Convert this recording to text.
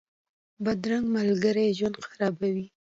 بدرنګه ملګري ژوند خرابوي